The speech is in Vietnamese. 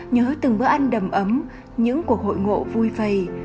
nhớ từng bữa ăn đầm ấm những cuộc hội ngộ vui phầy